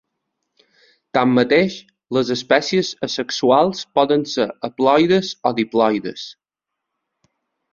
Tanmateix, les espècies asexuals poden ser haploides o diploides.